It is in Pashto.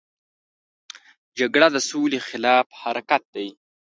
جګړه د سولې خلاف حرکت دی